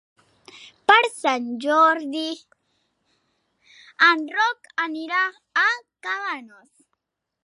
Per Sant Jordi en Roc anirà a Cabanes.